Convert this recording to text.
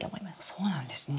そうなんですね。